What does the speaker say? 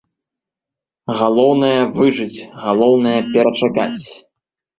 Галоўнае, выжыць, галоўнае, перачакаць!